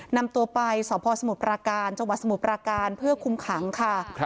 นำตัวไปสพสมุทรปราการจังหวัดสมุทรปราการเพื่อคุมขังค่ะ